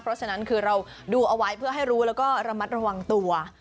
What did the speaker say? เพราะฉะนั้นคือเราดูเอาไว้เพื่อให้รู้แล้วก็ระมัดระวังตัว